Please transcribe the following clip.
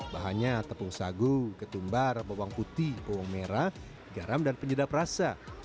bahannya tepung sagu ketumbar bawang putih bawang merah garam dan penyedap rasa